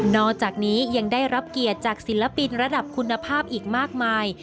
อกจากนี้ยังได้รับเกียรติจากศิลปินระดับคุณภาพอีกมากมาย